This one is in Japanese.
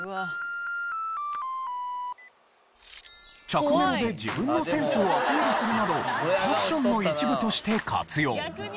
着メロで自分のセンスをアピールするなどファッションの一部として活用。